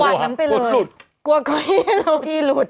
มันไปทุกวันธิอุดลุด